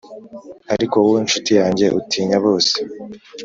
ariko wowe nshuti yanjye, utinya bose